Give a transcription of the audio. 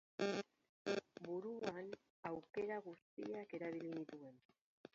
Buruan aukera guztiak erabili nituen.